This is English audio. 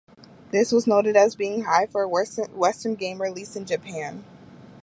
This was noted as being high for a western game released in Japan.